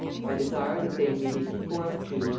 "I desire that they may be conformed to.